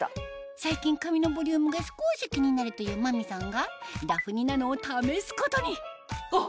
最近髪のボリュームが少し気になるという真美さんがダフニナノを試すことにあっ！